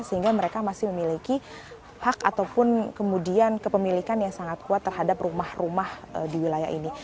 sehingga mereka masih memiliki hak ataupun kemudian kepemilikan yang sangat kuat terhadap rumah rumah di wilayah ini